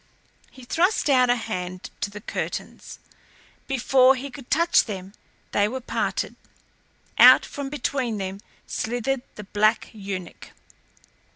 He thrust out a hand to the curtains. Before he could touch them, they were parted. Out from between them slithered the black eunuch.